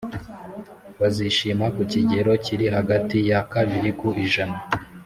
bazishima ku kigero kiri hagati ya kabiri ku ijana